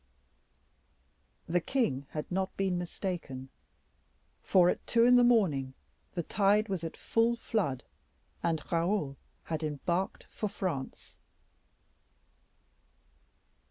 The king had not been mistaken, for at two in the morning the tide was at full flood, and Raoul had embarked for France.